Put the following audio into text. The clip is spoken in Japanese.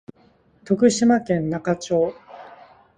徳島県那賀町